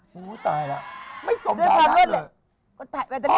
โหตายแล้ว